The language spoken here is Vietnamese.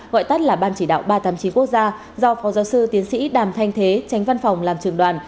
gọi tắt là ban chỉ đạo ba trăm tám mươi chín quốc gia do phó giáo sư tiến sĩ đàm thanh thế tránh văn phòng làm trường đoàn